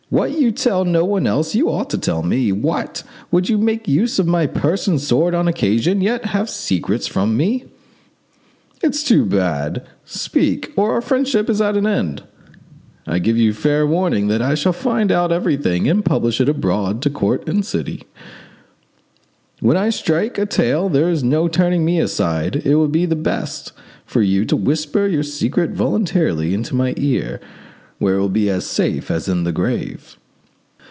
What you tell no one else you ought to tell me. What! would you make use of my purse and my sword on occasion and yet have secrets from me? It's too bad: speak, or our friendship is at an end! I give you fair warning that I shall find out everything and publish it abroad to court and city: when I strike a trail there's no turning me aside. It will be best for you to whisper your secret voluntarily into my ear, where it will be as safe as in the grave."